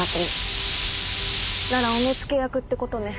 ならお目付役ってことね。